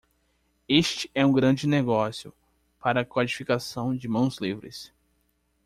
Este é um grande negócio para codificação de mãos livres.